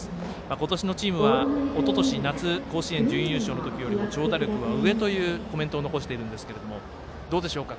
今年のチームはおととし夏甲子園準優勝の時より長打力は上というコメントを残しているんですけどどうでしょうか。